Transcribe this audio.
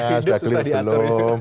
benda hidup susah diatur ya